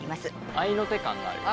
合いの手感があるよね。